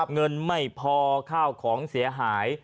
เงินไม่พอข้าวของเสียหาย